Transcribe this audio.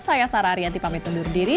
saya sarah ariyanti pamit undur diri